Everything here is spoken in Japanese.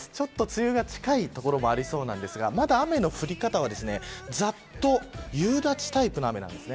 梅雨が近い所もありそうですが、雨の降り方はざっと夕立タイプの雨です。